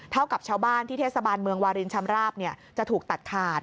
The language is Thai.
กับชาวบ้านที่เทศบาลเมืองวารินชำราบจะถูกตัดขาด